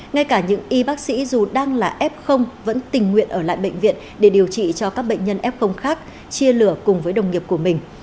ngay cả những y bác sĩ dù đang là f vẫn tình nguyện ở lại bệnh viện để điều trị cho các bệnh nhân f khác chia lửa cùng với đồng nghiệp của mình